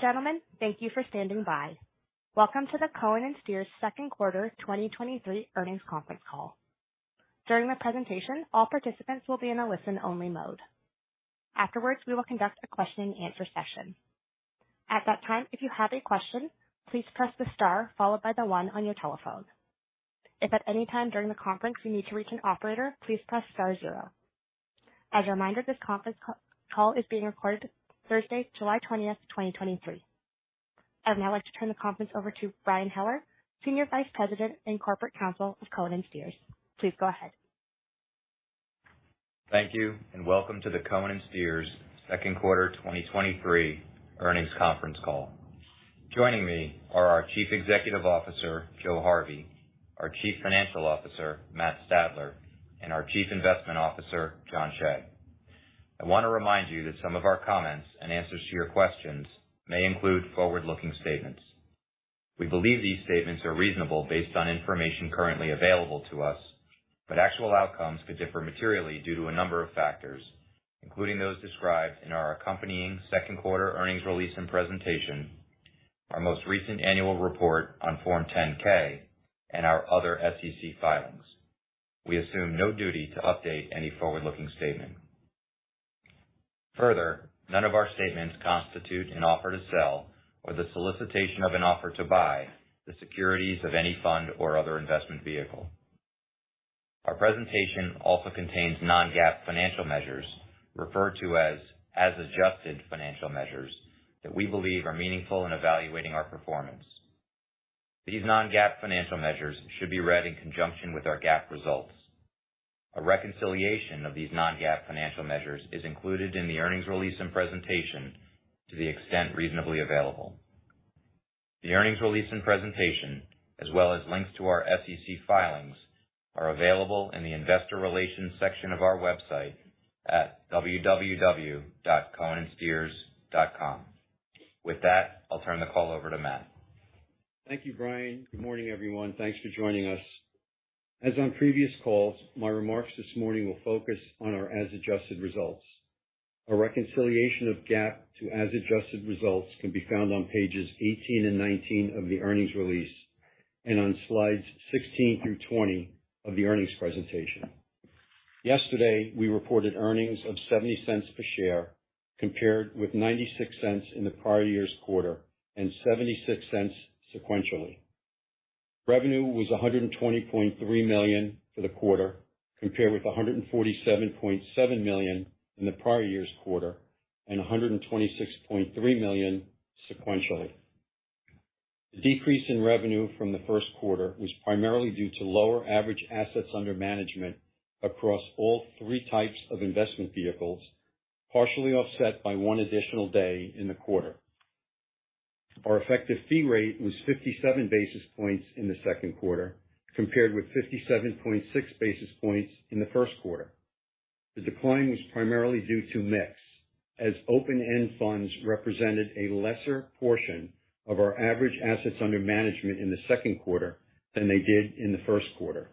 Gentlemen, thank you for standing by. Welcome to the Cohen & Steers Q2 2023 Earnings Conference Call. During the presentation, all participants will be in a listen-only mode. Afterwards, we will conduct a question-and-answer session. At that time, if you have a question, please press the star followed by the one on your telephone. If at any time during the conference, you need to reach an operator, please press star zero. As a reminder, this conference call is being recorded Thursday, July 20th, 2023. I'd now like to turn the conference over to Brian Heller, Senior Vice President and Corporate Counsel of Cohen & Steers. Please go ahead. Thank you, and welcome to the Cohen & Steers Q2 2023 Earnings Conference Call. Joining me are our Chief Executive Officer, Joe Harvey, our Chief Financial Officer, Matt Stadler, and our Chief Investment Officer, Jon Cheigh. I want to remind you that some of our comments and answers to your questions may include forward-looking statements. We believe these statements are reasonable based on information currently available to us, but actual outcomes could differ materially due to a number of factors, including those described in our accompanying Q2 earnings release and presentation, our most recent annual report on Form 10-K, and our other SEC filings. We assume no duty to update any forward-looking statement. Further, none of our statements constitute an offer to sell or the solicitation of an offer to buy the securities of any fund or other investment vehicle. Our presentation also contains non-GAAP financial measures, referred to as adjusted financial measures, that we believe are meaningful in evaluating our performance. These non-GAAP financial measures should be read in conjunction with our GAAP results. A reconciliation of these non-GAAP financial measures is included in the earnings release and presentation to the extent reasonably available. The earnings release and presentation, as well as links to our SEC filings, are available in the Investor Relations section of our website at www.cohenandsteers.com. With that, I'll turn the call over to Matt. Thank you, Brian. Good morning, everyone. Thanks for joining us. As on previous calls, my remarks this morning will focus on our as adjusted results. A reconciliation of GAAP to as adjusted results can be found on pages 18 and 19 of the earnings release and on slides 16 through 20 of the earnings presentation. Yesterday, we reported earnings of $0.70 per share, compared with $0.96 in the prior year's quarter and $0.76 sequentially. Revenue was $120.3 million for the quarter, compared with $147.7 million in the prior year's quarter, and $126.3 million sequentially. The decrease in revenue from the Q1 was primarily due to lower average assets under management across all three types of investment vehicles, partially offset by one additional day in the quarter. Our effective fee rate was 57 basis points in the Q2, compared with 57.6 basis points in the Q1. The decline was primarily due to mix, as open-end funds represented a lesser portion of our average assets under management in the Q2 than they did in the Q1.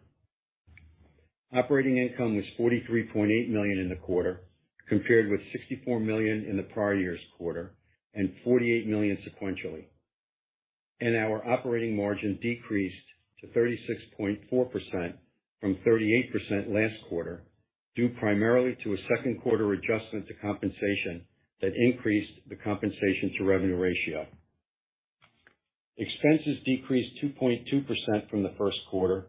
Operating income was $43.8 million in the quarter, compared with $64 million in the prior year's quarter and $48 million sequentially, and our operating margin decreased to 36.4% from 38% last quarter, due primarily to a Q2 adjustment to compensation that increased the compensation to revenue ratio. Expenses decreased 2.2% from the Q1,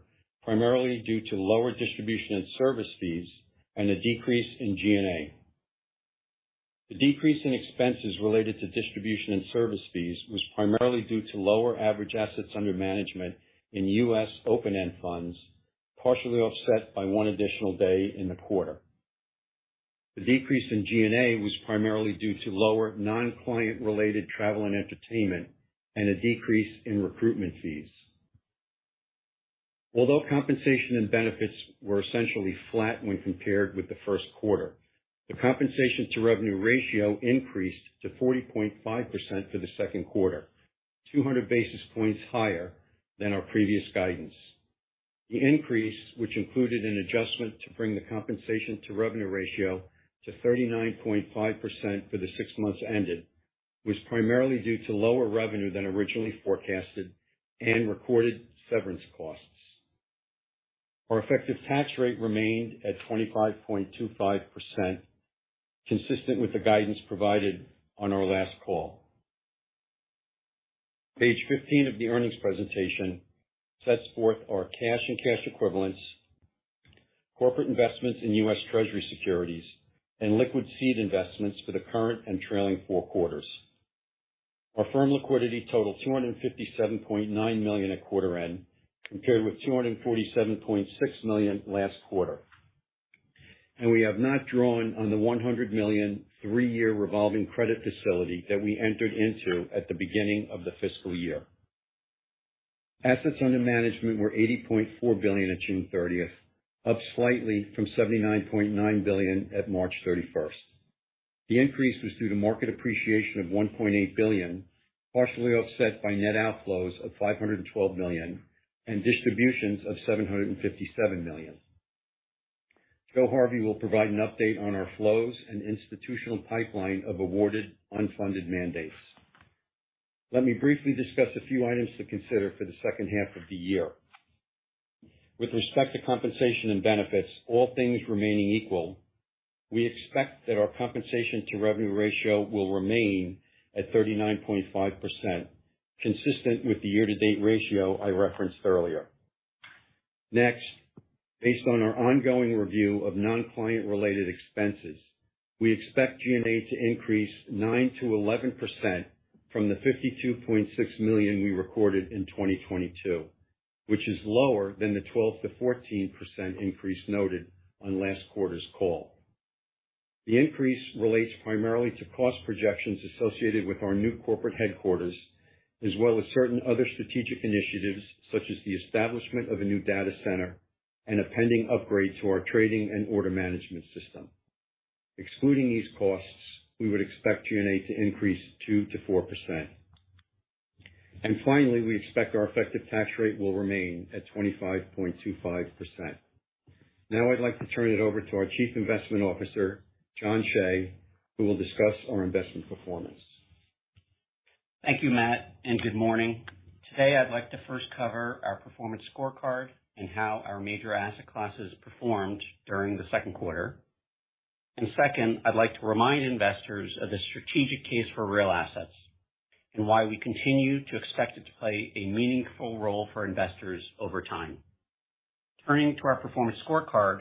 primarily due to lower distribution and service fees and a decrease in G&A. The decrease in expenses related to distribution and service fees was primarily due to lower average assets under management in U.S. open-end funds, partially offset by one additional day in the quarter. The decrease in G&A was primarily due to lower non-client related travel and entertainment and a decrease in recruitment fees. Although compensation and benefits were essentially flat when compared with the Q1, the compensation to revenue ratio increased to 40.5% for the Q2, 200 basis points higher than our previous guidance. The increase, which included an adjustment to bring the compensation to revenue ratio to 39.5% for the six months ended, was primarily due to lower revenue than originally forecasted and recorded severance costs. Our effective tax rate remained at 25.25%, consistent with the guidance provided on our last call. Page 15 of the earnings presentation sets forth our cash and cash equivalents, corporate investments in U.S. Treasury securities, and liquid seed investments for the current and trailing four quarters. Our firm liquidity totaled $257.9 million at quarter end, compared with $247.6 million last quarter. We have not drawn on the $100 million, three-year revolving credit facility that we entered into at the beginning of the fiscal year. Assets under management were $80.4 billion at June 30th, up slightly from $79.9 billion at March 31st. The increase was due to market appreciation of $1.8 billion, partially offset by net outflows of $512 million and distributions of $757 million. Joe Harvey will provide an update on our flows and institutional pipeline of awarded unfunded mandates. Let me briefly discuss a few items to consider for the second half of the year. With respect to compensation and benefits, all things remaining equal, we expect that our compensation to revenue ratio will remain at 39.5%, consistent with the year-to-date ratio I referenced earlier. Next, based on our ongoing review of non-client related expenses, we expect G&A to increase 9%-11% from the $52.6 million we recorded in 2022, which is lower than the 12%-14% increase noted on last quarter's call. The increase relates primarily to cost projections associated with our new corporate headquarters, as well as certain other strategic initiatives, such as the establishment of a new data center and a pending upgrade to our trading and order management system. Excluding these costs, we would expect G&A to increase 2%-4%. Finally, we expect our effective tax rate will remain at 25.25%. Now I'd like to turn it over to our Chief Investment Officer, Jon Cheigh, who will discuss our investment performance. Thank you, Matt, and good morning. Today, I'd like to first cover our performance scorecard and how our major asset classes performed during the Q2. Second, I'd like to remind investors of the strategic case for real assets and why we continue to expect it to play a meaningful role for investors over time. Turning to our performance scorecard.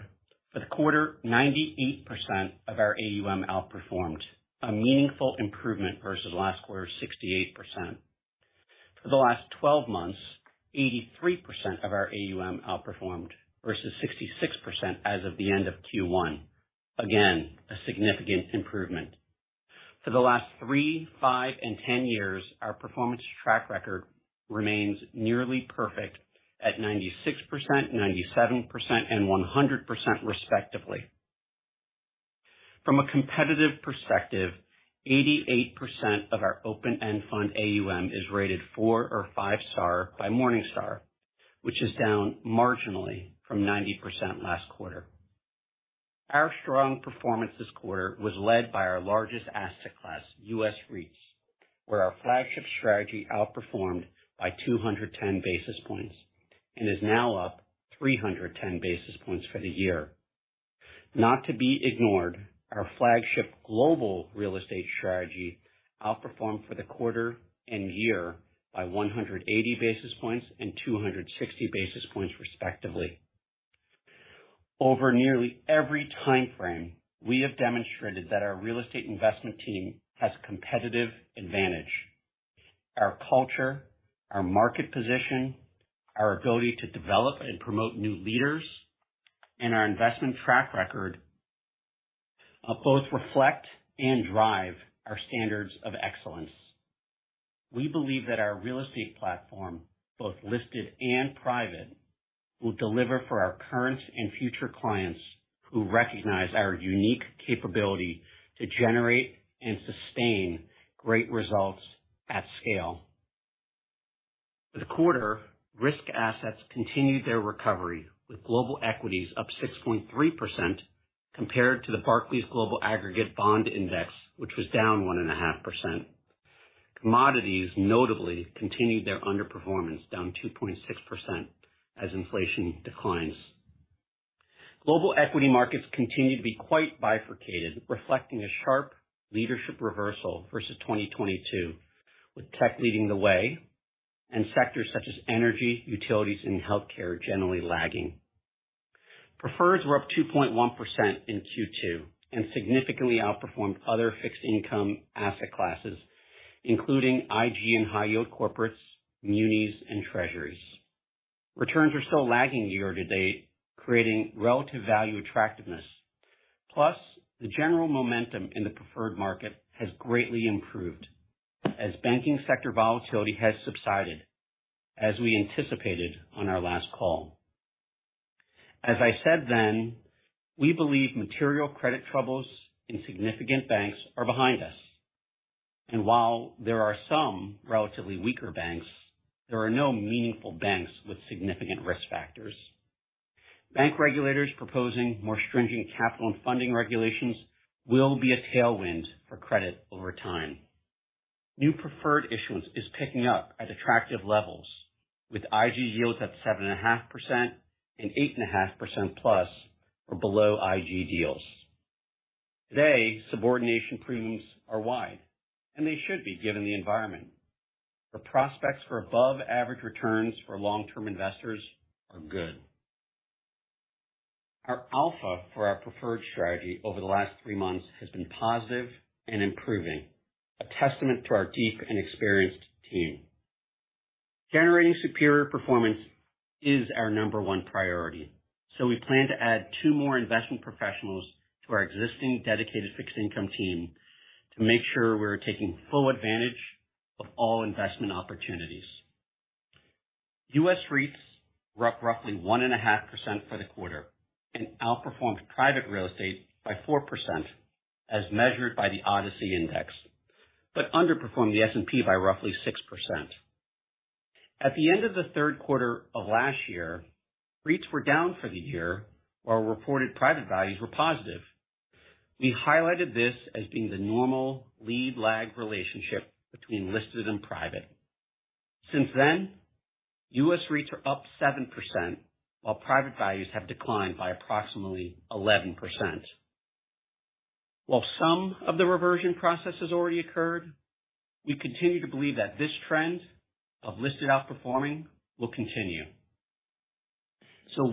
For the quarter, 98% of our AUM outperformed, a meaningful improvement versus last quarter's 68%. For the last 12 months, 83% of our AUM outperformed versus 66% as of the end of Q1. Again, a significant improvement. For the last three, five, and ten years, our performance track record remains nearly perfect at 96%, 97%, and 100%, respectively. From a competitive perspective, 88% of our open-end fund AUM is rated four or five star by Morningstar, which is down marginally from 90% last quarter. Our strong performance this quarter was led by our largest asset class, US REITs, where our flagship strategy outperformed by 210 basis points and is now up 310 basis points for the year. Not to be ignored, our flagship global real estate strategy outperformed for the quarter and year by 180 basis points and 260 basis points, respectively. Over nearly every time frame, we have demonstrated that our real estate investment team has competitive advantage. Our culture, our market position, our ability to develop and promote new leaders, and our investment track record, both reflect and drive our standards of excellence. We believe that our real estate platform, both listed and private, will deliver for our current and future clients who recognize our unique capability to generate and sustain great results at scale. For the quarter, risk assets continued their recovery, with global equities up 6.3% compared to the Bloomberg Global Aggregate Bond Index, which was down 1.5%. Commodities notably continued their underperformance, down 2.6% as inflation declines. Global equity markets continued to be quite bifurcated, reflecting a sharp leadership reversal versus 2022, with tech leading the way, and sectors such as energy, utilities, and healthcare generally lagging. Preferreds were up 2.1% in Q2 and significantly outperformed other fixed income asset classes, including IG and high yield corporates, munis, and Treasuries. Returns are still lagging year to date, creating relative value attractiveness. The general momentum in the preferred market has greatly improved as banking sector volatility has subsided, as we anticipated on our last call. As I said then, we believe material credit troubles in significant banks are behind us, and while there are some relatively weaker banks, there are no meaningful banks with significant risk factors. Bank regulators proposing more stringent capital and funding regulations will be a tailwind for credit over time. New preferred issuance is picking up at attractive levels, with IG yields at 7.5% and 8.5%+ for below IG deals. Today, subordination premiums are wide, and they should be, given the environment. The prospects for above average returns for long-term investors are good. Our alpha for our preferred strategy over the last 3 months has been positive and improving, a testament to our deep and experienced team. Generating superior performance is our number one priority. We plan to add two more investment professionals to our existing dedicated fixed income team to make sure we're taking full advantage of all investment opportunities. US REITs were up roughly 1.5% for the quarter and outperformed private real estate by 4%, as measured by the NFI-ODCE Index, but underperformed the S&P by roughly 6%. At the end of the Q3 of last year, REITs were down for the year, while reported private values were positive. We highlighted this as being the normal lead-lag relationship between listed and private. Since then, US REITs are up 7% while private values have declined by approximately 11%. While some of the reversion process has already occurred, we continue to believe that this trend of listed outperforming will continue.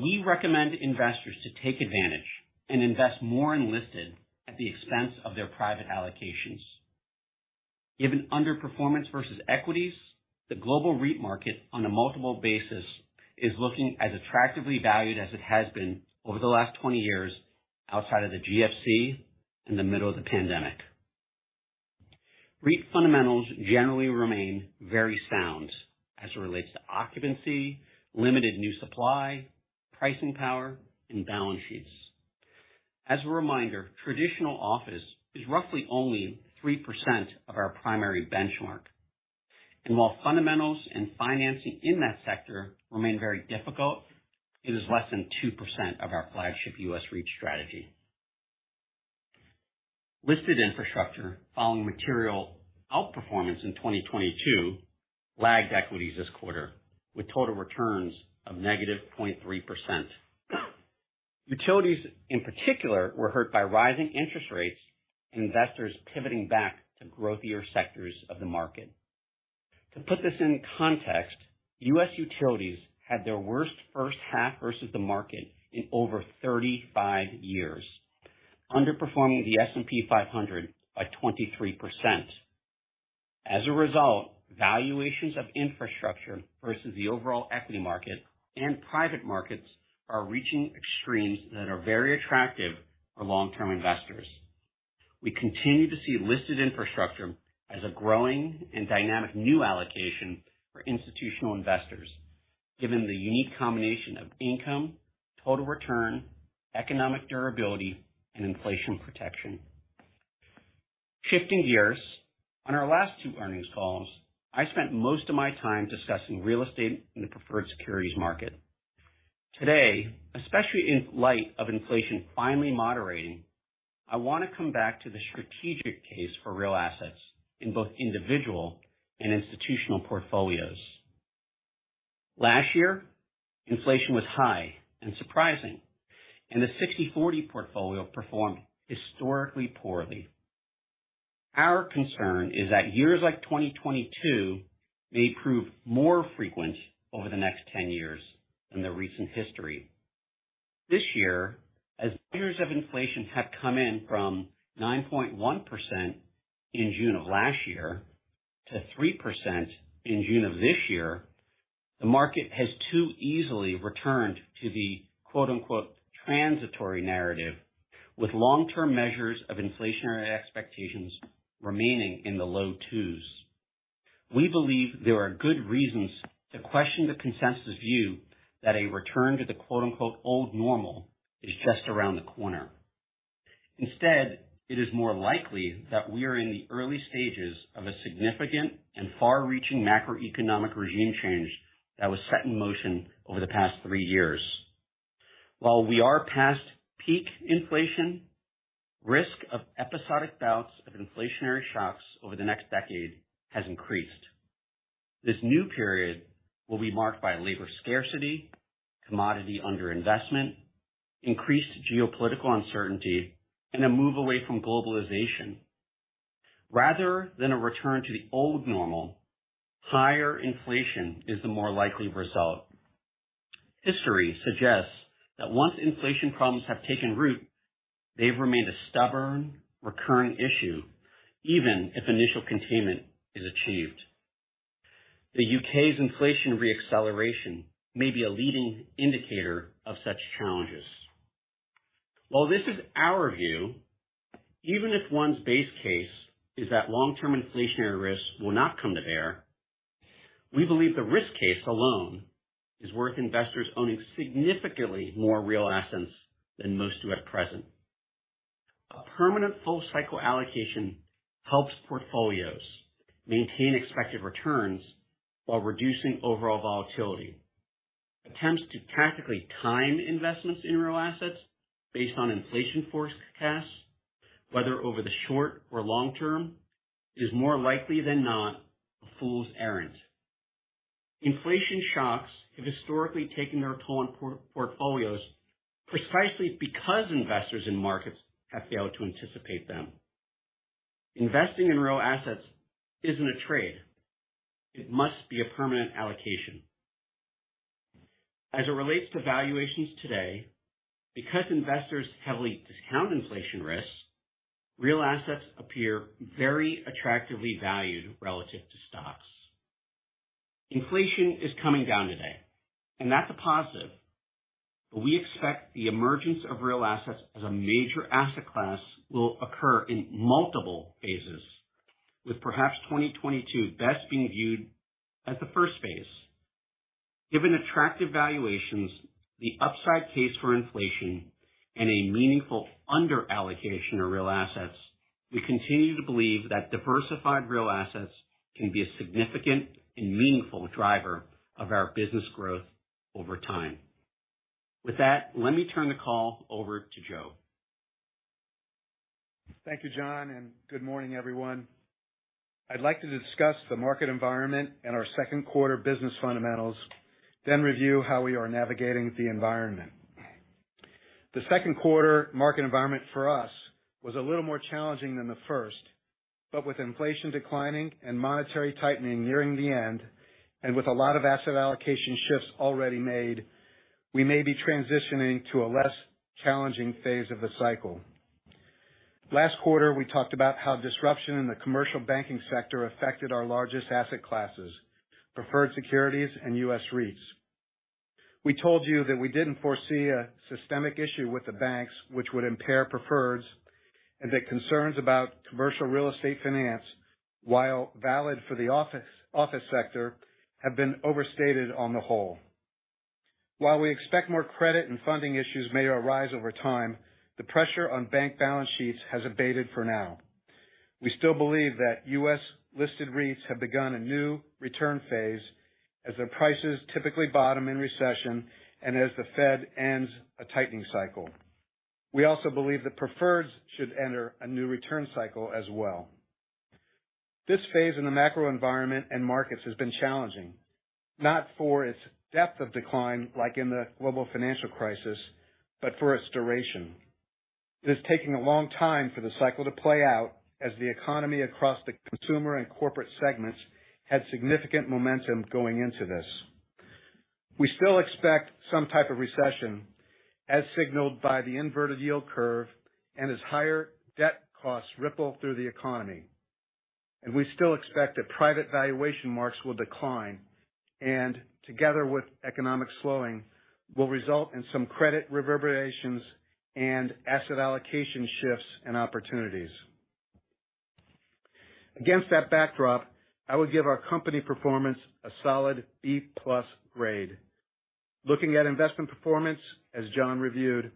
We recommend investors to take advantage and invest more in listed at the expense of their private allocations. Given underperformance versus equities, the global REIT market on a multiple basis is looking as attractively valued as it has been over the last 20 years, outside of the GFC, in the middle of the pandemic. REIT fundamentals generally remain very sound as it relates to occupancy, limited new supply, pricing power, and balance sheets. As a reminder, traditional office is roughly only 3% of our primary benchmark, and while fundamentals and financing in that sector remain very difficult, it is less than 2% of our flagship US REIT strategy. Listed infrastructure, following material outperformance in 2022, lagged equities this quarter with total returns of negative 0.3%. Utilities, in particular, were hurt by rising interest rates and investors pivoting back to growthier sectors of the market. To put this in context, U.S. utilities had their worst first half versus the market in over 35 years, underperforming the S&P 500 by 23%. As a result, valuations of infrastructure versus the overall equity market and private markets are reaching extremes that are very attractive for long-term investors. We continue to see listed infrastructure as a growing and dynamic new allocation for institutional investors, given the unique combination of income, total return, economic durability, and inflation protection. Shifting gears, on our last two earnings calls, I spent most of my time discussing real estate in the preferred securities market. Today, especially in light of inflation finally moderating, I want to come back to the strategic case for real assets in both individual and institutional portfolios. Last year, inflation was high and surprising, the 60/40 portfolio performed historically poorly. Our concern is that years like 2022 may prove more frequent over the next 10 years than the recent history. This year, as years of inflation have come in from 9.1% in June of last year to 3% in June of this year, the market has too easily returned to the, quote, unquote, "transitory narrative," with long-term measures of inflationary expectations remaining in the low 2s. We believe there are good reasons to question the consensus view that a return to the, quote, unquote, "old normal," is just around the corner. Instead, it is more likely that we are in the early stages of a significant and far-reaching macroeconomic regime change that was set in motion over the past three years. While we are past peak inflation, risk of episodic bouts of inflationary shocks over the next decade has increased. This new period will be marked by labor scarcity, commodity underinvestment, increased geopolitical uncertainty, and a move away from globalization. Rather than a return to the old normal, higher inflation is the more likely result. History suggests that once inflation problems have taken root, they've remained a stubborn, recurring issue, even if initial containment is achieved. The U.K.'s inflation re-acceleration may be a leading indicator of such challenges. While this is our view, even if one's base case is that long-term inflationary risks will not come to bear, we believe the risk case alone is worth investors owning significantly more real assets than most do at present. A permanent full cycle allocation helps portfolios maintain expected returns while reducing overall volatility. Attempts to tactically time investments in real assets based on inflation forecasts, whether over the short or long term, is more likely than not a fool's errand. Inflation shocks have historically taken their toll on portfolios, precisely because investors in markets have failed to anticipate them. Investing in real assets isn't a trade, it must be a permanent allocation. As it relates to valuations today, because investors heavily discount inflation risks, real assets appear very attractively valued relative to stocks. Inflation is coming down today. That's a positive, but we expect the emergence of real assets as a major asset class will occur in multiple phases, with perhaps 2022 best being viewed as the first phase. Given attractive valuations, the upside case for inflation, and a meaningful under allocation of real assets, we continue to believe that diversified real assets can be a significant and meaningful driver of our business growth over time. With that, let me turn the call over to Joe. Thank you, John. Good morning, everyone. I'd like to discuss the market environment and our Q2 business fundamentals, then review how we are navigating the environment. The Q2 market environment for us was a little more challenging than the first, but with inflation declining and monetary tightening nearing the end, and with a lot of asset allocation shifts already made, we may be transitioning to a less challenging phase of the cycle. Last quarter, we talked about how disruption in the commercial banking sector affected our largest asset classes, preferred securities and US REITs. We told you that we didn't foresee a systemic issue with the banks which would impair preferreds, and that concerns about commercial real estate finance, while valid for the office sector, have been overstated on the whole. While we expect more credit and funding issues may arise over time, the pressure on bank balance sheets has abated for now. We still believe that US-listed REITs have begun a new return phase as their prices typically bottom in recession and as the Fed ends a tightening cycle. We also believe that preferreds should enter a new return cycle as well. This phase in the macro environment and markets has been challenging, not for its depth of decline, like in the global financial crisis, but for its duration. It is taking a long time for the cycle to play out as the economy across the consumer and corporate segments had significant momentum going into this. We still expect some type of recession, as signaled by the inverted yield curve and as higher debt costs ripple through the economy. We still expect that private valuation marks will decline, and together with economic slowing, will result in some credit reverberations and asset allocation shifts and opportunities. Against that backdrop, I would give our company performance a solid B+ grade. Looking at investment performance, as John reviewed,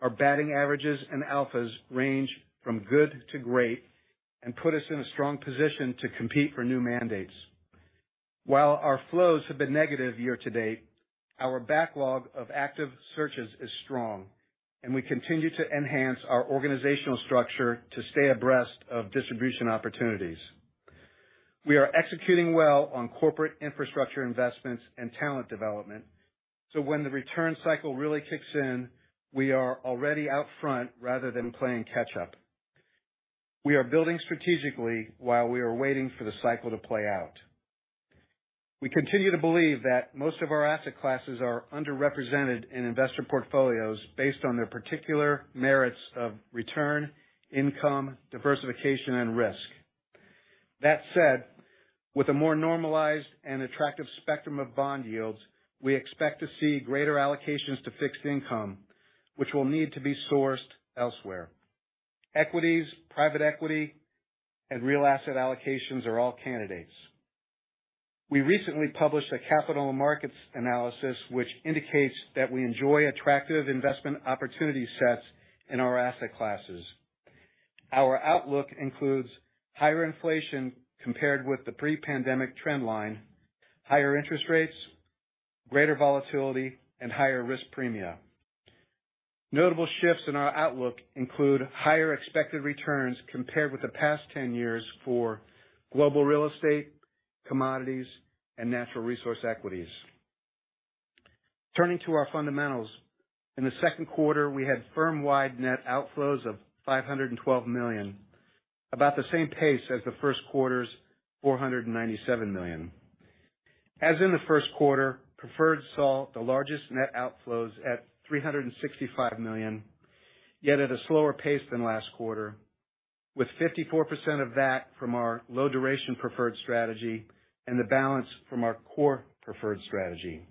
our batting averages and alphas range from good to great and put us in a strong position to compete for new mandates. While our flows have been negative year to date, our backlog of active searches is strong, and we continue to enhance our organizational structure to stay abreast of distribution opportunities. We are executing well on corporate infrastructure investments and talent development, so when the return cycle really kicks in, we are already out front rather than playing catch-up. We are building strategically while we are waiting for the cycle to play out. We continue to believe that most of our asset classes are underrepresented in investor portfolios based on their particular merits of return, income, diversification, and risk. That said, with a more normalized and attractive spectrum of bond yields, we expect to see greater allocations to fixed income, which will need to be sourced elsewhere. Equities, private equity, and real asset allocations are all candidates. We recently published a capital markets analysis, which indicates that we enjoy attractive investment opportunity sets in our asset classes. Our outlook includes higher inflation compared with the pre-pandemic trend line, higher interest rates, greater volatility, and higher risk premia. Notable shifts in our outlook include higher expected returns compared with the past 10 years for global real estate, commodities, and natural resource equities. Turning to our fundamentals, in the Q2, we had firm-wide net outflows of $512 million, about the same pace as the Q1's $497 million. As in the Q1, preferred saw the largest net outflows at $365 million, yet at a slower pace than last quarter, with 54% of that from our low duration preferred strategy and the balance from our core preferred strategy.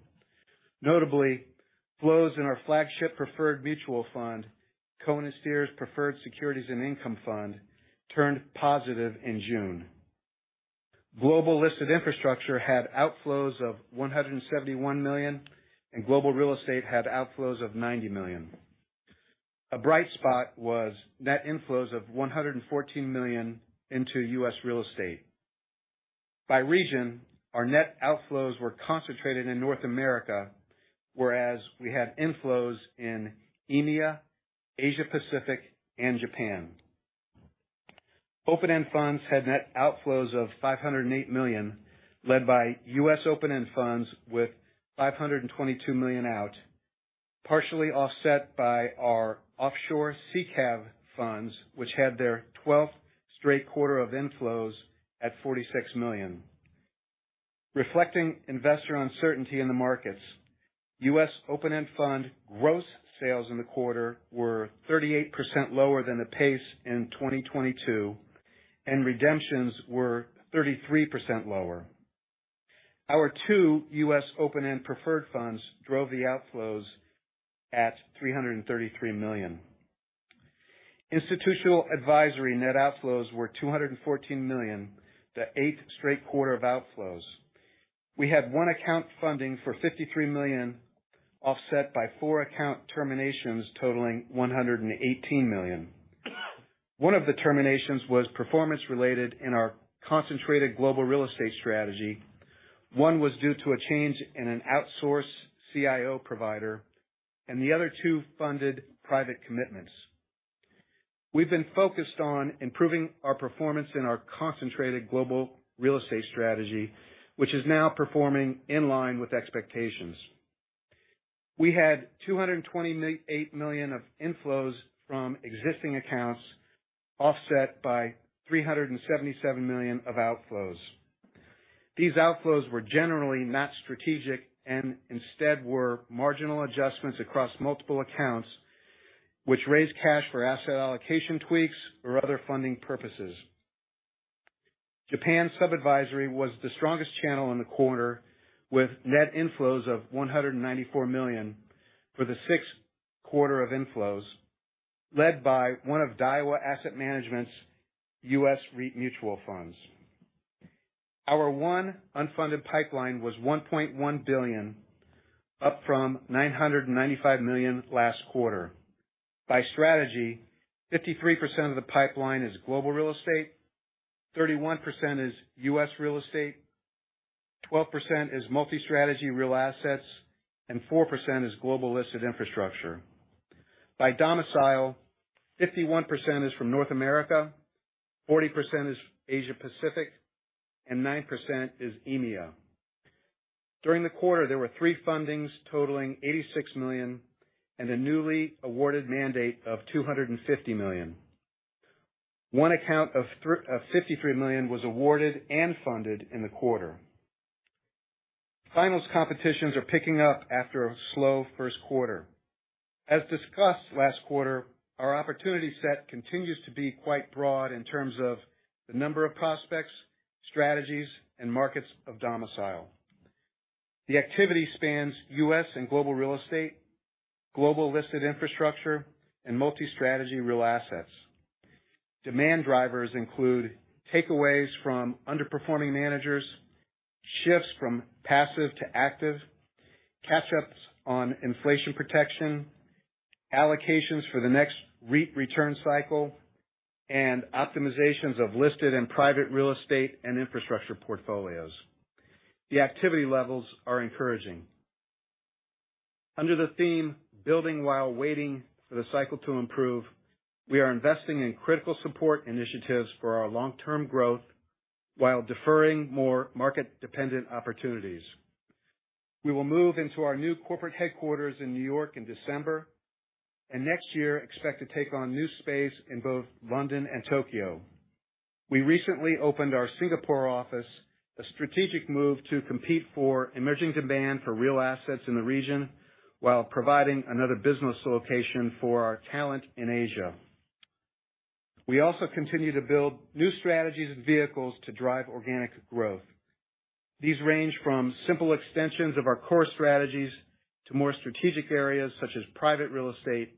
Notably, flows in our flagship preferred mutual fund, Cohen & Steers Preferred Securities and Income Fund, turned positive in June. Global listed infrastructure had outflows of $171 million. Global real estate had outflows of $90 million. A bright spot was net inflows of $114 million into U.S. real estate. By region, our net outflows were concentrated in North America, whereas we had inflows in EMEA, Asia Pacific, and Japan. Open-end funds had net outflows of $508 million, led by U.S. open-end funds with $522 million out, partially offset by our offshore ICAV funds, which had their twelfth straight quarter of inflows at $46 million. Reflecting investor uncertainty in the markets, U.S. open-end fund gross sales in the quarter were 38% lower than the pace in 2022. Redemptions were 33% lower. Our two U.S. open-end preferred funds drove the outflows at $333 million. Institutional advisory net outflows were $214 million, the eighth straight quarter of outflows. We had one account funding for $53 million, offset by four account terminations, totaling $118 million. One of the terminations was performance-related in our concentrated global real estate strategy. One was due to a change in an outsource CIO provider, and the other two funded private commitments. We've been focused on improving our performance in our concentrated global real estate strategy, which is now performing in line with expectations. We had $228 million of inflows from existing accounts, offset by $377 million of outflows. These outflows were generally not strategic and instead were marginal adjustments across multiple accounts, which raised cash for asset allocation tweaks or other funding purposes. Japan sub-advisory was the strongest channel in the quarter, with net inflows of $194 million for the sixth quarter of inflows, led by one of Daiwa Asset Management's U.S. REIT mutual funds. Our one unfunded pipeline was $1.1 billion, up from $995 million last quarter. By strategy, 53% of the pipeline is global real estate, 31% is U.S. real estate, 12% is multi-strategy real assets, and 4% is global listed infrastructure. By domicile, 51% is from North America, 40% is Asia Pacific, and 9% is EMEA. During the quarter, there were three fundings totaling $86 million and a newly awarded mandate of $250 million. One account of $53 million was awarded and funded in the quarter. Finals competitions are picking up after a slow Q1. As discussed last quarter, our opportunity set continues to be quite broad in terms of the number of prospects, strategies, and markets of domicile. The activity spans U.S. and global real estate, global listed infrastructure, and multi-strategy real assets. Demand drivers include takeaways from underperforming managers, shifts from passive to active, catch-ups on inflation protection, allocations for the next REIT return cycle, and optimizations of listed and private real estate and infrastructure portfolios. The activity levels are encouraging. Under the theme Building while Waiting for the cycle to improve, we are investing in critical support initiatives for our long-term growth while deferring more market-dependent opportunities. We will move into our new corporate headquarters in New York in December, and next year expect to take on new space in both London and Tokyo. We recently opened our Singapore office, a strategic move to compete for emerging demand for real assets in the region, while providing another business location for our talent in Asia. We also continue to build new strategies and vehicles to drive organic growth. These range from simple extensions of our core strategies to more strategic areas, such as private real estate,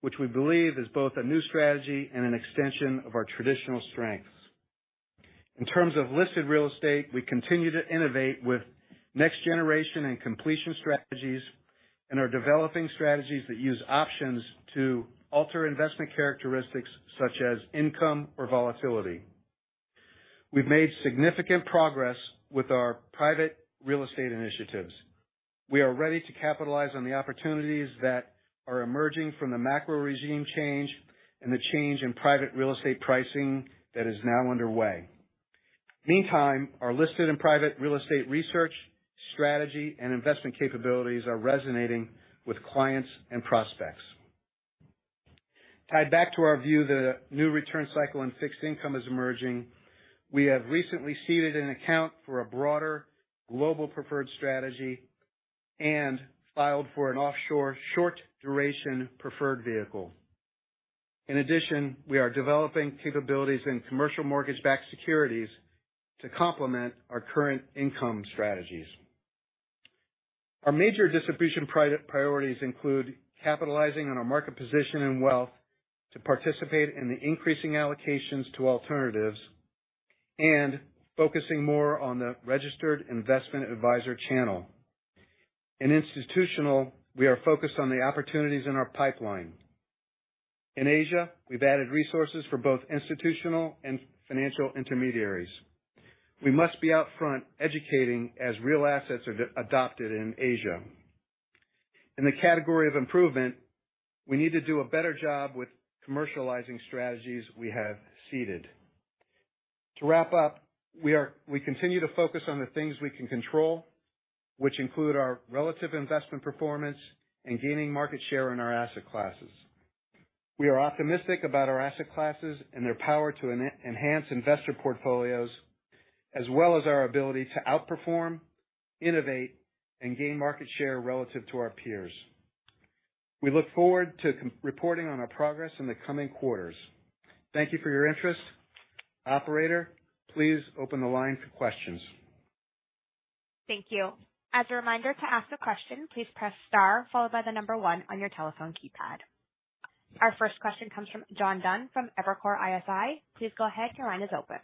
which we believe is both a new strategy and an extension of our traditional strengths. In terms of listed real estate, we continue to innovate with next-generation and completion strategies, and are developing strategies that use options to alter investment characteristics such as income or volatility. We've made significant progress with our private real estate initiatives. We are ready to capitalize on the opportunities that are emerging from the macro regime change and the change in private real estate pricing that is now underway. Meantime, our listed and private real estate research, strategy, and investment capabilities are resonating with clients and prospects. Tied back to our view that a new return cycle and fixed income is emerging, we have recently seeded an account for a broader global preferred strategy and filed for an offshore short-duration preferred vehicle. In addition, we are developing capabilities in commercial mortgage-backed securities to complement our current income strategies. Our major distribution priorities include capitalizing on our market position and wealth to participate in the increasing allocations to alternatives and focusing more on the registered investment advisor channel. In institutional, we are focused on the opportunities in our pipeline. In Asia, we've added resources for both institutional and financial intermediaries. We must be out front educating as real assets are adopted in Asia. In the category of improvement, we need to do a better job with commercializing strategies we have seeded. To wrap up, we continue to focus on the things we can control, which include our relative investment performance and gaining market share in our asset classes. We are optimistic about our asset classes and their power to enhance investor portfolios, as well as our ability to outperform, innovate, and gain market share relative to our peers. We look forward to reporting on our progress in the coming quarters. Thank you for your interest. Operator, please open the line for questions. Thank you. As a reminder, to ask a question, please press star followed by the number one on your telephone keypad. Our first question comes from John Dunn from Evercore ISI. Please go ahead. Your line is open.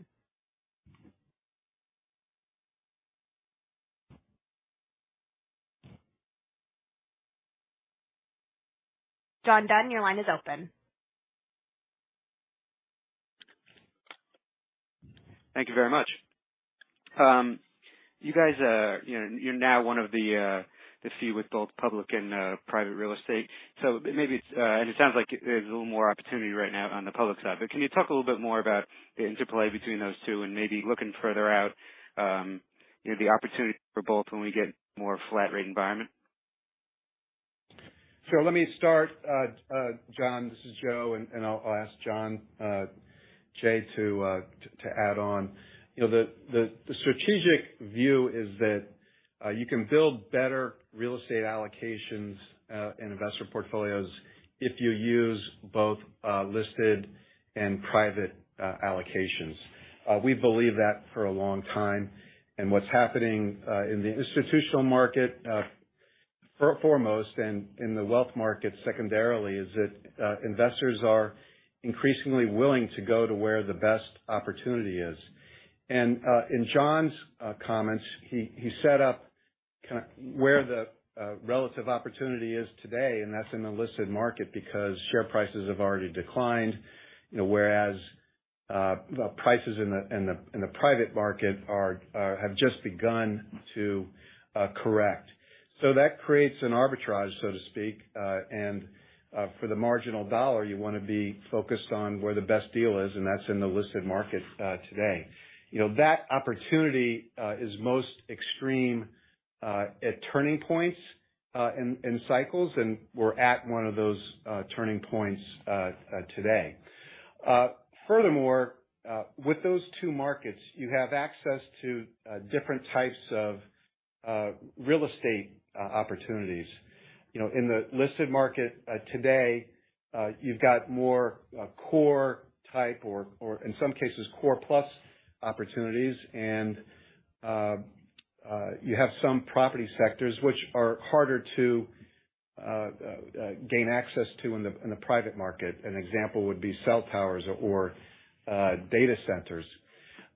John Dunn, your line is open. Thank you very much. You guys, you know, you're now one of the few with both public and private real estate. Maybe it's, and it sounds like there's a little more opportunity right now on the public side, but can you talk a little bit more about the interplay between those two and maybe looking further out, you know, the opportunity for both when we get more flat rate environment? Let me start. John, this is Joe, and I'll ask Jon Cheigh to add on. You know, the strategic view is that you can build better real estate allocations and investor portfolios if you use both listed and private allocations. We believe that for a long time. What's happening in the institutional market, foremost, and in the wealth market secondarily, is that investors are increasingly willing to go to where the best opportunity is. In John's comments, he set up kind of where the relative opportunity is today, and that's in the listed market, because share prices have already declined, you know, whereas prices in the private market have just begun to correct. So that creates an arbitrage, so to speak, and for the marginal dollar, you want to be focused on where the best deal is, and that's in the listed market today. You know, that opportunity is most extreme at turning points in cycles, and we're at one of those turning points today. Furthermore, with those two markets, you have access to different types of real estate opportunities. You know, in the listed market today, you've got more core type or in some cases, core plus opportunities. And you have some property sectors which are harder to gain access to in the private market. An example would be cell towers or data centers.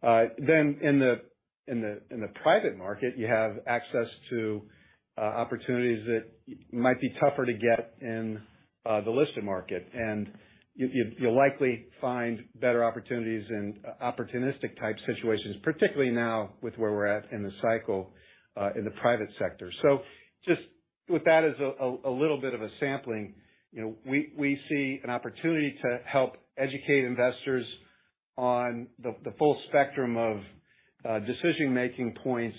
In the private market, you have access to opportunities that might be tougher to get in the listed market. You'll likely find better opportunities in opportunistic type situations, particularly now with where we're at in the cycle, in the private sector. Just with that as a little bit of a sampling, you know, we see an opportunity to help educate investors on the full spectrum of decision making points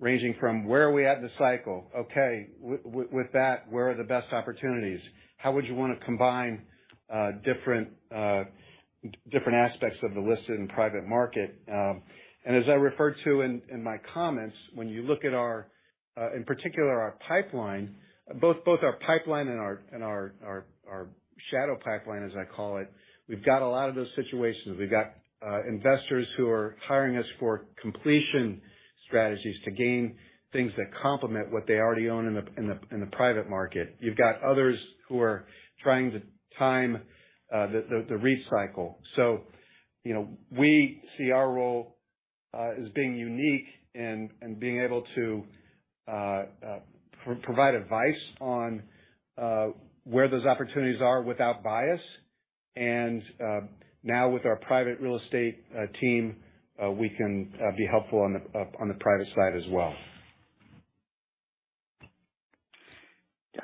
ranging from where are we at in the cycle? Okay, with that, where are the best opportunities? How would you wanna combine different aspects of the listed and private market? As I referred to in my comments, when you look at our in particular, our pipeline, both our pipeline and our shadow pipeline, as I call it, we've got a lot of those situations. We've got investors who are hiring us for completion strategies to gain things that complement what they already own in the private market. You've got others who are trying to time the recycle. You know, we see our role as being unique and being able to provide advice on where those opportunities are without bias. Now with our private real estate team, we can be helpful on the private side as well.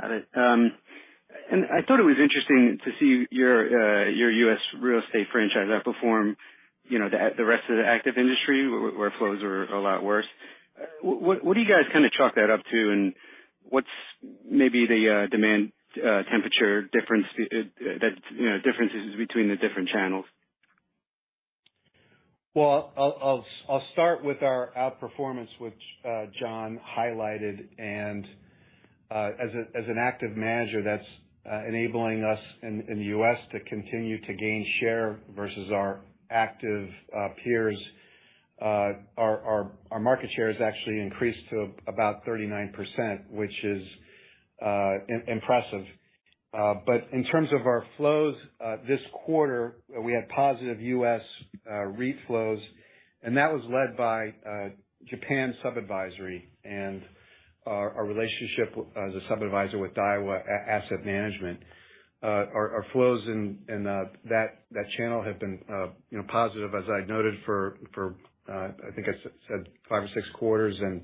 Got it. I thought it was interesting to see your US real estate franchise outperform, you know, the rest of the active industry, where flows are a lot worse. What do you guys kind of chalk that up to, and what's maybe the demand temperature difference that, you know, differences between the different channels? Well, I'll start with our outperformance, which John highlighted, and as an active manager, that's enabling us in the U.S. to continue to gain share versus our active peers. Our market share has actually increased to about 39%, which is impressive. In terms of our flows, this quarter, we had positive U.S. REIT flows, and that was led by Japan sub-advisory and our relationship as a sub-adviser with Daiwa Asset Management. Our flows in that channel have been, you know, positive, as I'd noted, for I think I said five or six quarters. You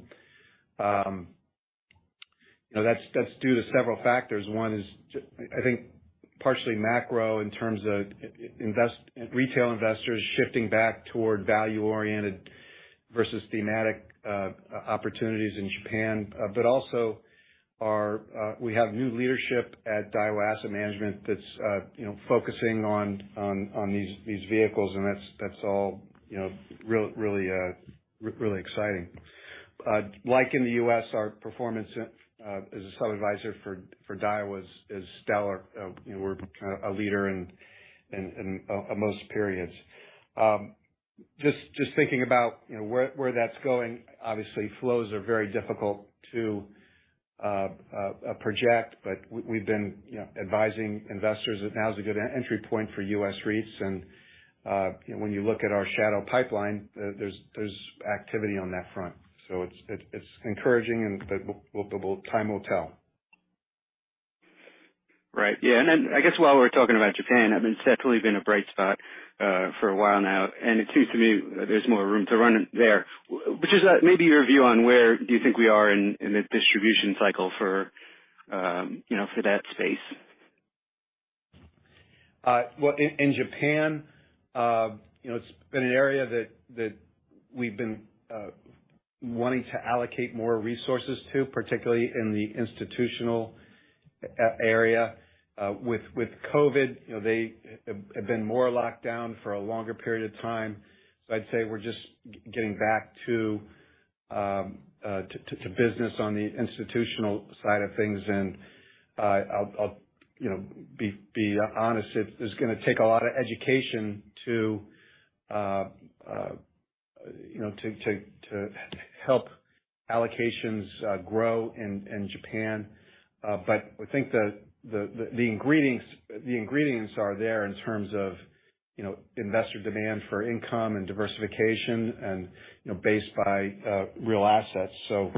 know, that's due to several factors. One is I think partially macro in terms of retail investors shifting back toward value-oriented versus thematic opportunities in Japan, but also our, we have new leadership at Daiwa Asset Management that's, you know, focusing on these vehicles, and that's all, you know, really exciting. Like in the US, our performance as a sub-adviser for Daiwa is stellar. You know, we're a leader in most periods. Just thinking about, you know, where that's going, obviously, flows are very difficult to project, but we've been, you know, advising investors that now is a good entry point for US REITs. You know, when you look at our shadow pipeline, there's activity on that front. It's encouraging and, but well, time will tell. Right. Yeah, I guess while we're talking about Japan, I mean, it's definitely been a bright spot for a while now, it seems to me that there's more room to run it there. Which is maybe your view on where do you think we are in the distribution cycle for, you know, for that space? Well, in Japan, you know, it's been an area that we've been wanting to allocate more resources to, particularly in the institutional area. With COVID, you know, they have been more locked down for a longer period of time. I'd say we're just getting back to business on the institutional side of things. I'll be honest, it's gonna take a lot of education to help allocations grow in Japan. I think the ingredients are there in terms of, you know, investor demand for income and diversification and, you know, based by real assets. You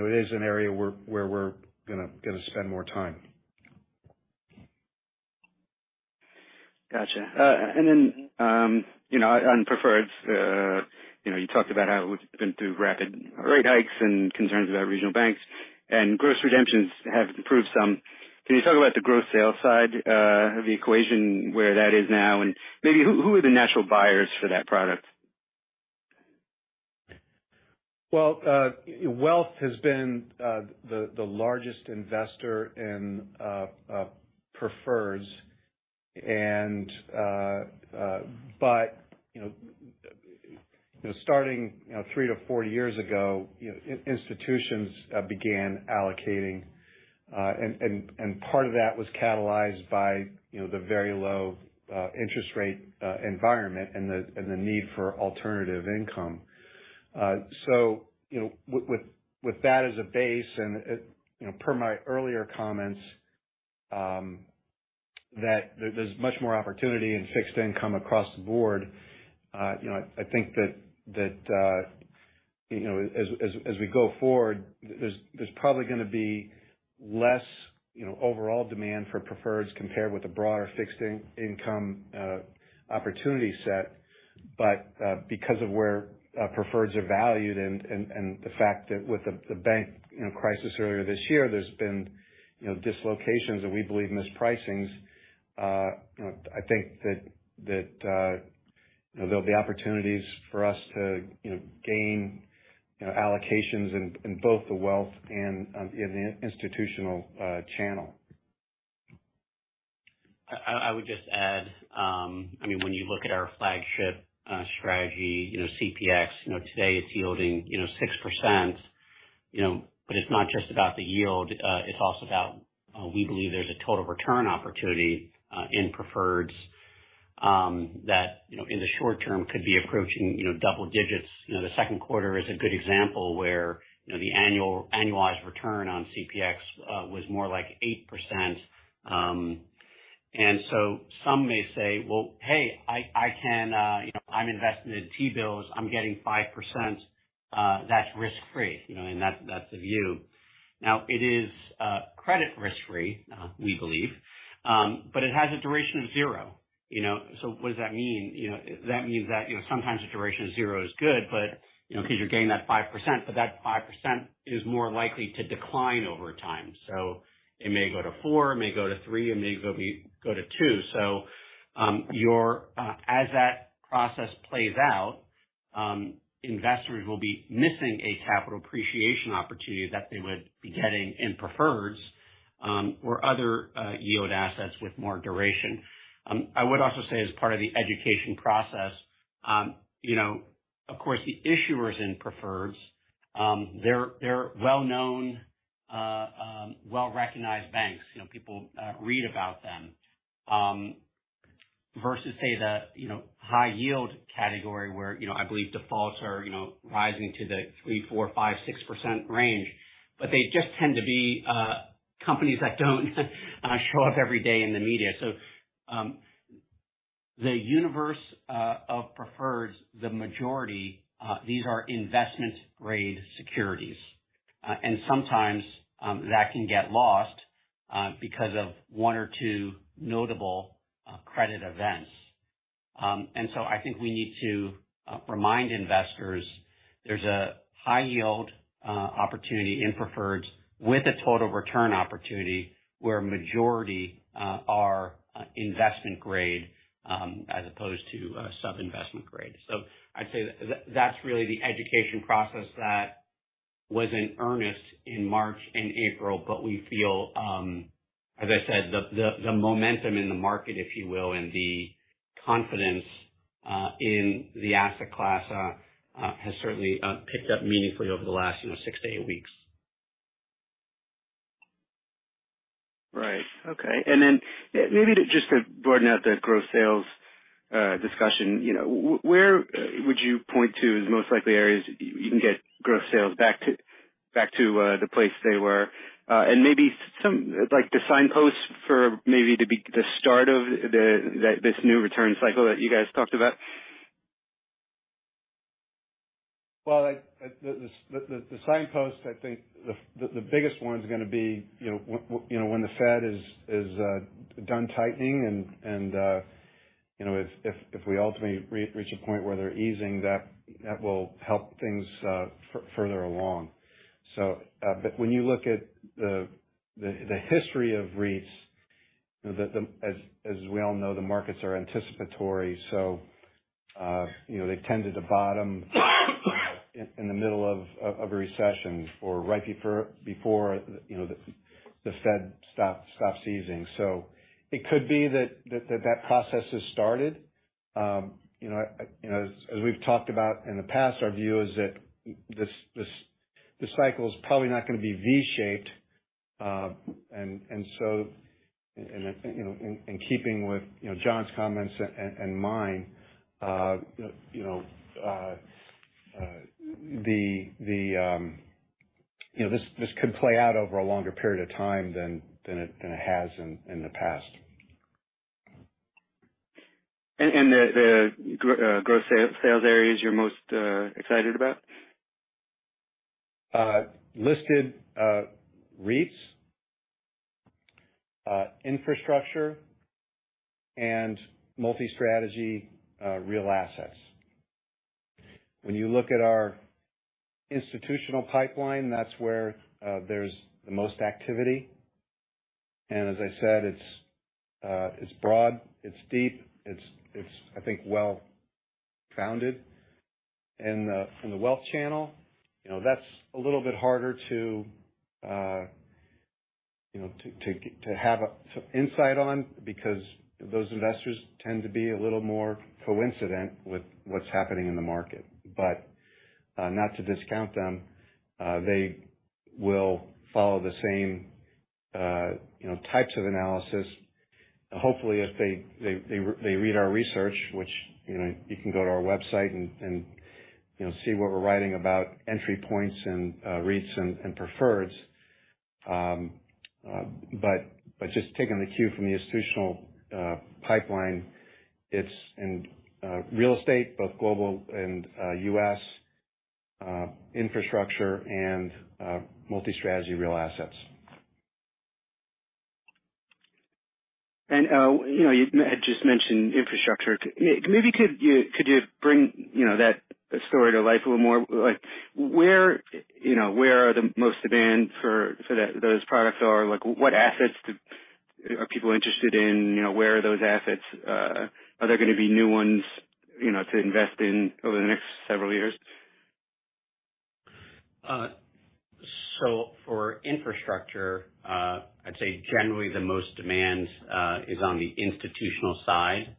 know, it is an area where we're gonna spend more time. Gotcha. you know, on preferreds, you know, you talked about how we've been through rapid rate hikes and concerns about regional banks and gross redemptions have improved some. Can you talk about the gross sales side of the equation, where that is now, and maybe who are the natural buyers for that product? Well, wealth has been the largest investor in preferreds and, you know, starting, you know, three to four years ago, institutions began allocating, and part of that was catalyzed by, you know, the very low interest rate environment and the need for alternative income. You know, with that as a base and, you know, per my earlier comments, that there's much more opportunity in fixed income across the board, you know, I think that, you know, as we go forward, there's probably gonna be less, you know, overall demand for preferreds compared with the broader fixed income opportunity set. Because of where preferreds are valued and the fact that with the bank, you know, crisis earlier this year, there's been, you know, dislocations and we believe mispricings, you know, I think that, you know, there'll be opportunities for us to, you know, gain, you know, allocations in both the wealth and in the institutional channel. I would just add, I mean, when you look at our flagship strategy, you know, CPX, you know, today it's yielding, you know, 6%, you know, but it's not just about the yield, it's also about, we believe there's a total return opportunity in preferreds that, you know, in the short term could be approaching, you know, double digits. You know, the Q2 is a good example where, you know, the annualized return on CPX was more like 8%. Some may say, "Well, hey, I can, you know, I'm invested in T-bills. I'm getting 5%, that's risk free." You know, and that's the view. Now, it is credit risk free, we believe, but it has a duration of zero, you know. What does that mean? You know, that means that, you know, sometimes a duration of zero is good, but, you know, 'cause you're getting that 5%, but that 5% is more likely to decline over time. It may go to four, it may go to three, it may go to two. Your, as that process plays out, investors will be missing a capital appreciation opportunity that they would be getting in preferreds, or other yield assets with more duration. I would also say as part of the education process, you know, of course, the issuers in preferreds, they're well-known, well-recognized banks, you know, people read about them, versus say, the, you know, high yield category, where, you know, I believe defaults are, you know, rising to the 3%, 4%, 5%, 6% range. They just tend to be companies that don't show up every day in the media. The universe of preferreds, the majority, these are investment grade securities, and sometimes that can get lost because of one or two notable credit events. I think we need to remind investors there's a high yield opportunity in preferreds with a total return opportunity, where majority are investment grade, as opposed to sub-investment grade. I'd say that's really the education process that was in earnest in March and April, but we feel, as I said, the momentum in the market, if you will, and the confidence in the asset class has certainly picked up meaningfully over the last, you know, six to eight weeks. ... Okay. Maybe just to broaden out the gross sales discussion, you know, where would you point to as most likely areas you can get gross sales back to the place they were? Maybe some, like the signposts for maybe to be the start of the this new return cycle that you guys talked about. Well, I the signposts, I think the biggest one's gonna be, you know, when the Fed is done tightening, and, you know, if we ultimately reach a point where they're easing, that will help things further along. When you look at the history of REITs, the as we all know, the markets are anticipatory. You know, they tended to bottom in the middle of a recession or right before, you know, the Fed stops easing. It could be that process has started. You know, you know, as we've talked about in the past, our view is that this cycle is probably not gonna be V-shaped. You know, and keeping with, you know, John's comments and mine, you know, the, you know, this could play out over a longer period of time than it has in the past. The gross sales areas you're most excited about? listed, REITs, infrastructure, and multi-strategy, real assets. When you look at our institutional pipeline, that's where there's the most activity. As I said, it's broad, it's deep, it's, I think, well founded. In the wealth channel, you know, that's a little bit harder to, you know, to have a insight on because those investors tend to be a little more coincident with what's happening in the market. Not to discount them, they will follow the same, you know, types of analysis. Hopefully, if they read our research, which, you know, you can go to our website and, you know, see what we're writing about entry points and, REITs and, preferreds. Just taking the cue from the institutional pipeline, it's in real estate, both global and US, infrastructure and multi-strategy real assets. You know, you had just mentioned infrastructure. Maybe could you, could you bring, you know, that story to life a little more? Like, where, you know, where are the most demand for that, those products are? Like, what assets are people interested in? You know, where are those assets? Are there gonna be new ones, you know, to invest in over the next several years? For infrastructure, I'd say generally the most demand is on the institutional side,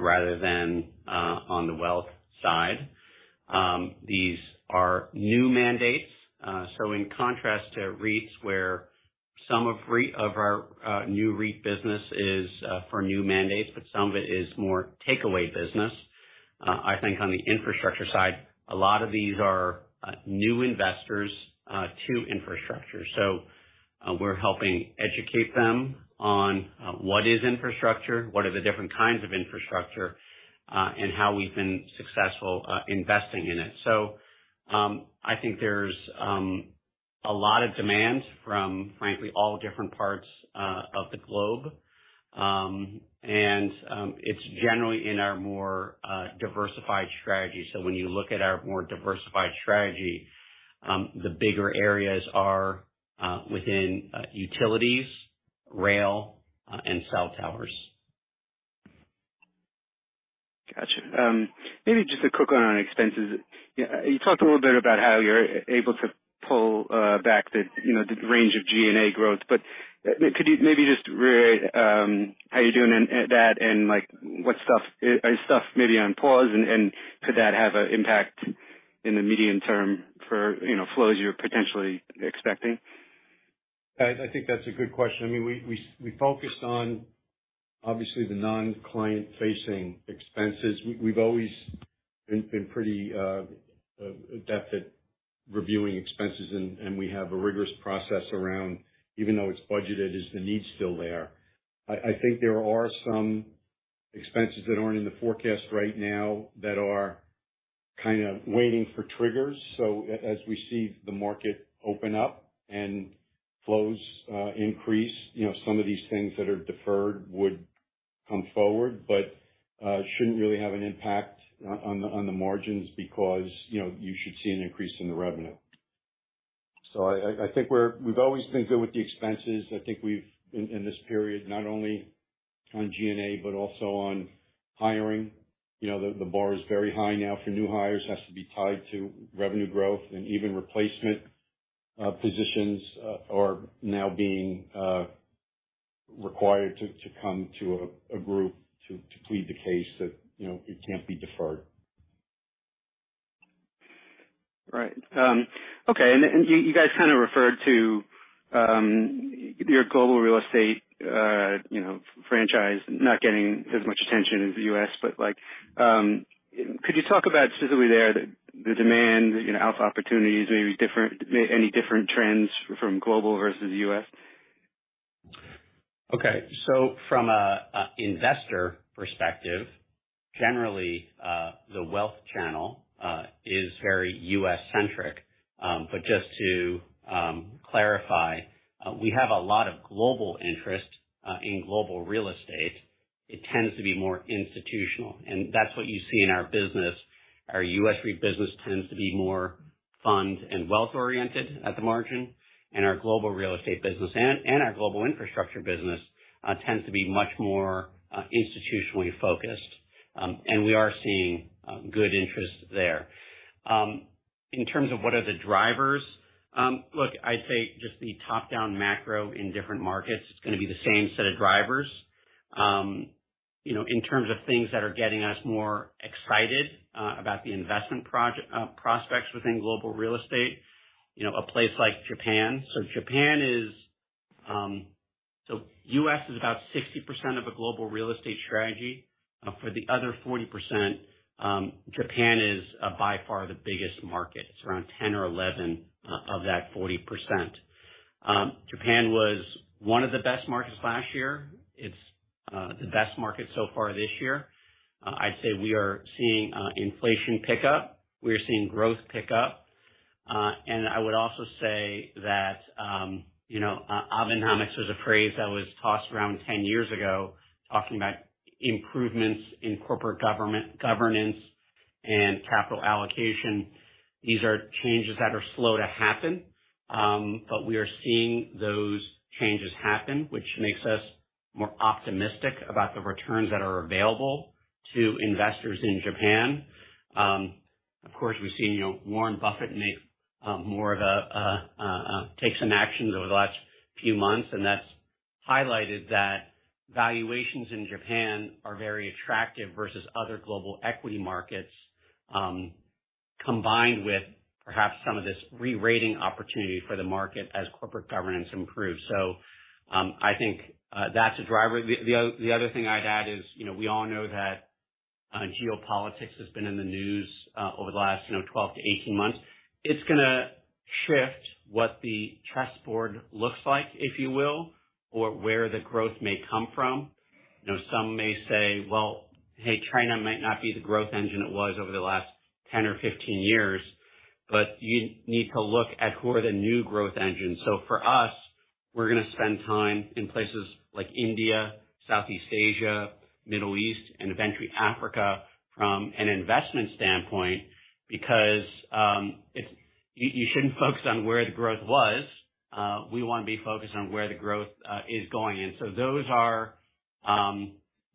rather than on the wealth side. These are new mandates. In contrast to REITs, where some of our new REIT business is for new mandates, but some of it is more takeaway business. I think on the infrastructure side, a lot of these are new investors to infrastructure. We're helping educate them on what is infrastructure, what are the different kinds of infrastructure, and how we've been successful investing in it. I think there's a lot of demand from, frankly, all different parts of the globe. And it's generally in our more diversified strategy. When you look at our more diversified strategy, the bigger areas are within utilities, rail, and cell towers. Gotcha. Maybe just a quick one on expenses. You talked a little bit about how you're able to pull back the, you know, the range of G&A growth. Could you maybe just reiterate how you're doing in, at that? Like, what stuff, is stuff maybe on pause, and could that have an impact in the medium term for, you know, flows you're potentially expecting? I think that's a good question. I mean, we focused on obviously the non-client facing expenses. We've always been pretty adept at reviewing expenses, and we have a rigorous process around, even though it's budgeted, is the need still there? I think there are some expenses that aren't in the forecast right now that are kind of waiting for triggers. As we see the market open up and flows increase, you know, some of these things that are deferred would come forward, but shouldn't really have an impact on the margins because, you know, you should see an increase in the revenue. I think we've always been good with the expenses. I think we've, in this period, not only on G&A, but also on hiring. You know, the bar is very high now for new hires. It has to be tied to revenue growth and even replacement positions are now being required to come to a group to plead the case that, you know, it can't be deferred. Right. Okay, you guys kind of referred to, your global real estate, you know, franchise, not getting as much attention as the U.S., but like, could you talk about specifically there, the demand, you know, alpha opportunities, maybe any different trends from global versus U.S.? Okay. From a investor perspective, generally, the wealth channel is very US-centric. Just to clarify, we have a lot of global interest in global real estate. It tends to be more institutional, and that's what you see in our business. Our US REIT business tends to be more fund and wealth-oriented at the margin, and our global real estate business and our global infrastructure business tends to be much more institutionally focused. We are seeing good interest there. In terms of what are the drivers, look, I'd say just the top-down macro in different markets, it's gonna be the same set of drivers. You know, in terms of things that are getting us more excited about the investment prospects within global real estate, you know, a place like Japan. U.S. is about 60% of a global real estate strategy. For the other 40%, Japan is by far the biggest market. It's around 10 or 11 of that 40%. Japan was one of the best markets last year. It's the best market so far this year. I'd say we are seeing inflation pick up. We are seeing growth pick up. I would also say that, you know, Abenomics was a phrase that was tossed around 10 years ago, talking about improvements in corporate governance and capital allocation. These are changes that are slow to happen. We are seeing those changes happen, which makes us more optimistic about the returns that are available to investors in Japan. Of course, we've seen, you know, Warren Buffett make more of a take some actions over the last few months, and that's highlighted that valuations in Japan are very attractive versus other global equity markets, combined with perhaps some of this re-rating opportunity for the market as corporate governance improves. I think that's a driver. The other thing I'd add is, you know, we all know that geopolitics has been in the news over the last, you know, 12-18 months. It's gonna shift what the chessboard looks like, if you will, or where the growth may come from. You know, some may say, "Well, hey, China might not be the growth engine it was over the last 10 or 15 years," but you need to look at who are the new growth engines. For us, we're gonna spend time in places like India, Southeast Asia, Middle East, and eventually Africa, from an investment standpoint, because, you shouldn't focus on where the growth was. We wanna be focused on where the growth is going. Those are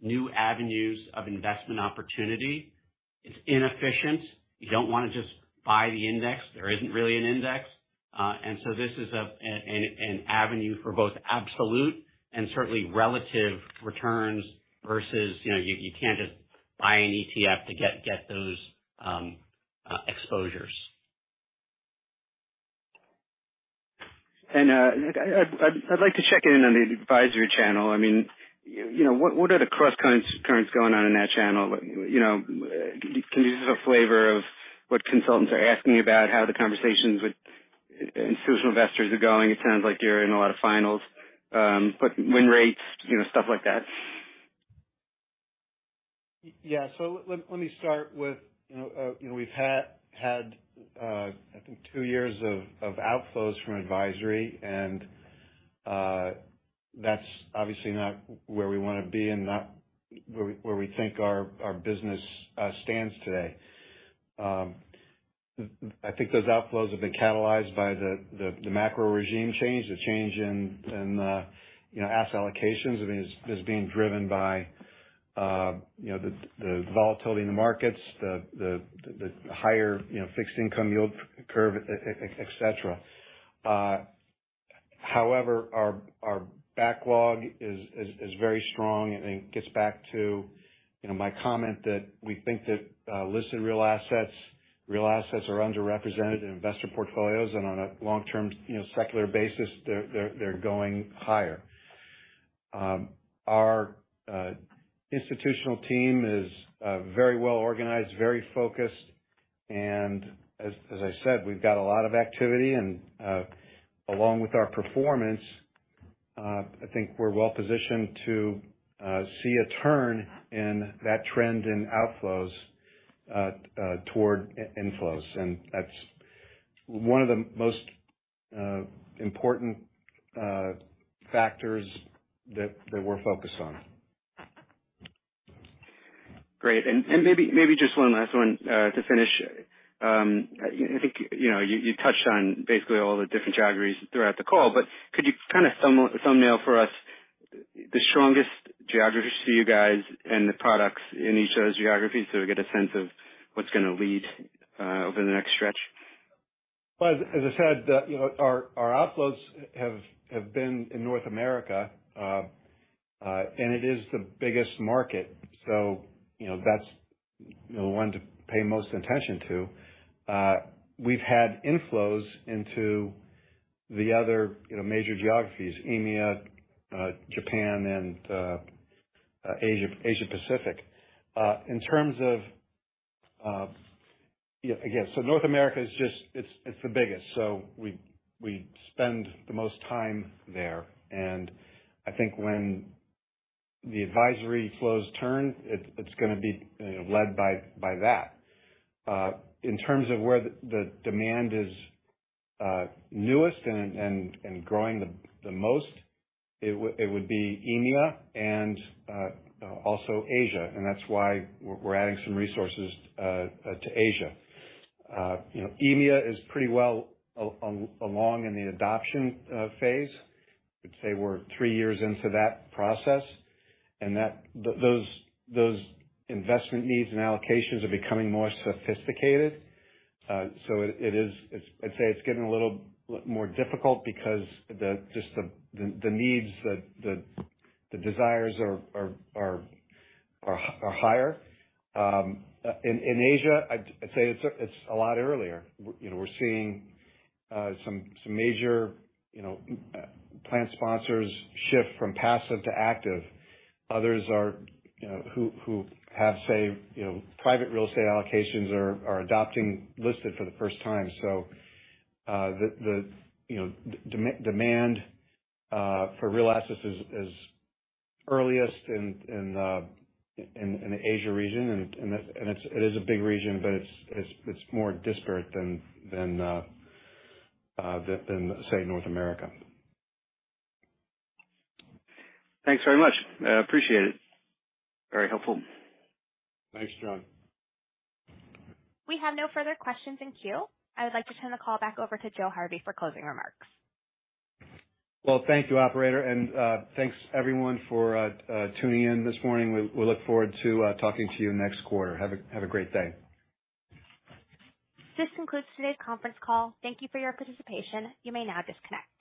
new avenues of investment opportunity. It's inefficient. You don't wanna just buy the index. There isn't really an index. This is a, an avenue for both absolute and certainly relative returns versus, you know, you can't just buy an ETF to get those exposures. I'd like to check in on the advisory channel. I mean, you know, what are the cross currents going on in that channel? You know, can you give us a flavor of what consultants are asking about? How the conversations with institutional investors are going? It sounds like you're in a lot of finals, but win rates, you know, stuff like that. Yeah. Let me start with, you know, you know, we've had, I think two years of outflows from advisory, and that's obviously not where we want to be and not where we think our business stands today. I think those outflows have been catalyzed by the macro regime change, the change in, you know, asset allocations. I mean, is being driven by, you know, the volatility in the markets, the higher, you know, fixed income yield curve, et cetera. However, our backlog is very strong and gets back to, you know, my comment that we think that listed real assets are underrepresented in investor portfolios, and on a long-term, you know, secular basis, they're going higher. Our institutional team is very well organized, very focused, and as I said, we've got a lot of activity and along with our performance, I think we're well positioned to see a turn in that trend in outflows toward inflows. That's one of the most important factors that we're focused on. Great. Maybe just one last one to finish. I think, you know, you touched on basically all the different geographies throughout the call, but could you kind of thumbnail for us, the strongest geographies to you guys and the products in each of those geographies, so we get a sense of what's gonna lead over the next stretch? Well, as I said, you know, our outflows have been in North America. It is the biggest market, so, you know, that's the one to pay most attention to. We've had inflows into the other, you know, major geographies, EMEA, Japan, and Asia Pacific. In terms of, yeah, again, so North America is the biggest, so we spend the most time there, and I think when the advisory flows turn, it's gonna be, you know, led by that. In terms of where the demand is newest and growing the most, it would be EMEA and also Asia, and that's why we're adding some resources to Asia. you know, EMEA is pretty well along in the adoption phase. I'd say we're three years into that process, and that, those investment needs and allocations are becoming more sophisticated. It's, I'd say it's getting a little more difficult because just the needs, the desires are higher. In Asia, I'd say it's a lot earlier. you know, we're seeing some major, you know, plan sponsors shift from passive to active. Others are, you know, who have say, you know, private real estate allocations are adopting listed for the first time. The, you know, demand for real assets is earliest in the Asia region. It is a big region, but it's more disparate than, say, North America. Thanks very much. Appreciate it. Very helpful. Thanks, John. We have no further questions in queue. I would like to turn the call back over to Joe Harvey for closing remarks. Well, thank you, operator, and thanks, everyone, for tuning in this morning. We look forward to talking to you next quarter. Have a great day. This concludes today's conference call. Thank you for your participation. You may now disconnect.